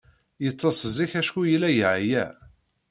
Yeḍḍes zik acku yella yeɛya.